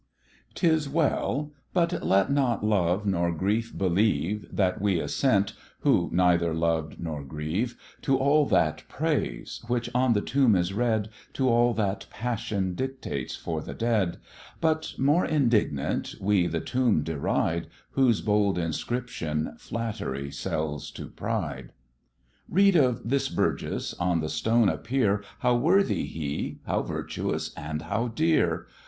'Tis well; but let not love nor grief believe That we assent (who neither loved nor grieve) To all that praise which on the tomb is read, To all that passion dictates for the dead; But more indignant, we the tomb deride, Whose bold inscription flattery sells to pride. Read of this Burgess on the stone appear How worthy he! how virtuous! and how dear!